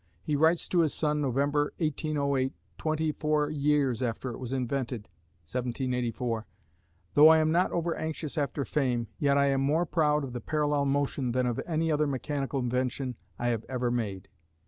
He writes to his son, November, 1808, twenty four years after it was invented (1784): Though I am not over anxious after fame, yet I am more proud of the parallel motion than of any other mechanical invention I have ever made.